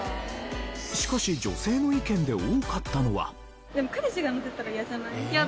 しかし女性の意見で多かったのは。